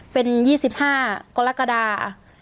เป็น๒๕กรกฎา